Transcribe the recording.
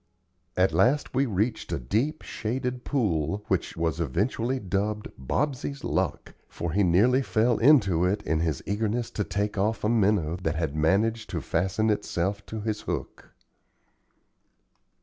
At last we reached a deep, shaded pool, which was eventually dubbed "Bobsey's Luck;" for he nearly fell into it in his eagerness to take off a minnow that had managed to fasten itself to his hook.